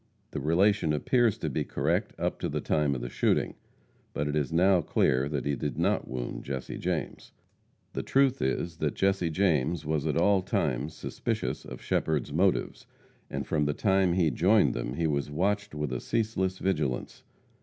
The relation appears to be correct up to the time of the shooting, but it is now clear that he did not wound Jesse James. The truth is, that Jesse James was at all times suspicious of Shepherd's motives, and from the time he joined them he was watched with a ceaseless vigilance.